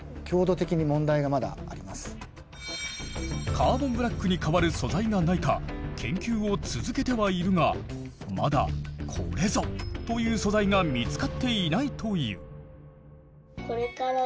カーボンブラックに代わる素材がないか研究を続けてはいるがまだこれぞという素材が見つかっていないという。